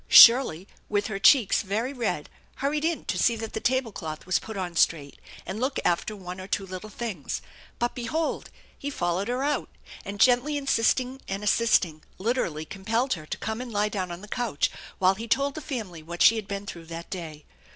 Shirley with her cheeks very red hurried in to see that the table cloth was put on straight, and look after one or two little things ; but behold, he followed her out, and, gently in sisting and assisting, literally compelled her to come and lie down on the couch while he told the family what she had been through that day.